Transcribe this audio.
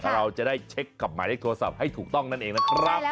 เราจะได้เช็คกับหมายเลขโทรศัพท์ให้ถูกต้องนั่นเองนะครับ